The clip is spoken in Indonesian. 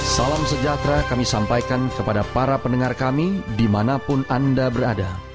salam sejahtera kami sampaikan kepada para pendengar kami dimanapun anda berada